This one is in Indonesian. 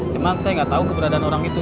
cuma saya nggak tahu keberadaan orang itu